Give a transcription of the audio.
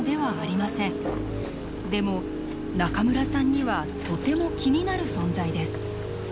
でも中村さんにはとても気になる存在です。